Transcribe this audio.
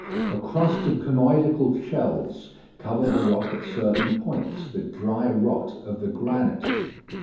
A crust of conoidical shells covered the rock at certain points, the dry rot of the granite.